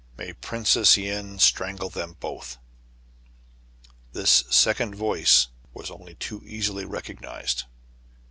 May Prince len strangle them both !This second voice was only too easily recog nized.